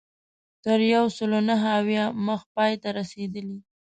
تر یو سلو نهه اویا مخ پای ته رسېدلې.